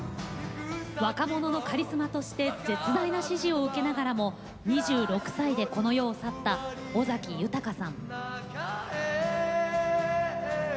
若者のカリスマとして絶大な支持を受けながらも２６歳でこの世を去った尾崎豊さん。